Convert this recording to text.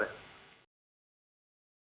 terima kasih pak frans